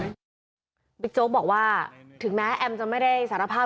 โจ๊กบอกว่าถึงแม้แอมจะไม่ได้สารภาพ